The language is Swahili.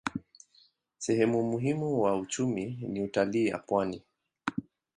Sehemu muhimu wa uchumi ni utalii ya pwani.